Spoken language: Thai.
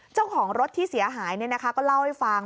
เจ้าของรถที่เสียหายก็เล่าให้ฟัง